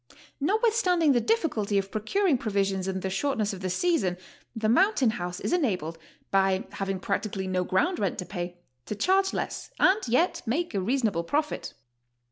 Notwithstanding the difficulty of procuring provisions and the shortness of the season, the mountain house is enabled, by having practically no ground rent to pay, to charge less and yet make a reasonable profit.